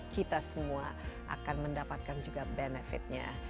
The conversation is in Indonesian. kita semua akan mendapatkan juga benefitnya